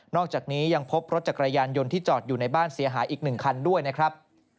อกจากนี้ยังพบรถจักรยานยนต์ที่จอดอยู่ในบ้านเสียหายอีก๑คันด้วยนะครับ